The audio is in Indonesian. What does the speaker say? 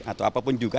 atau apapun juga